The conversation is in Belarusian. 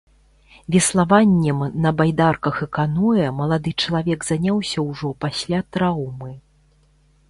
Веславаннем на байдарках і каноэ малады чалавек заняўся ўжо пасля траўмы.